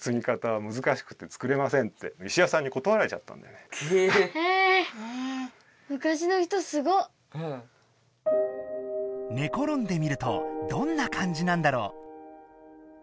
ねころんでみるとどんなかんじなんだろう？